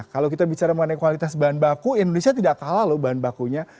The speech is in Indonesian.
kalau kita bicara mengenai kualitas bahan baku indonesia tidak kalah loh bahan bakunya